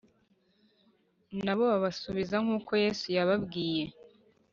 Nabo babasubiza nk’uko Yesu yababwiye